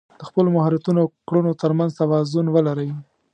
د خپلو مهارتونو او کړنو تر منځ توازن ولرئ.